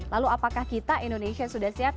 lalu apakah kita indonesia sudah siap